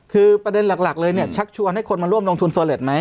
คือประเด็นหลักเลยเนี่ยชักชวนให้คนมาร่วมลงทุนเฟอร์เล็ตไหม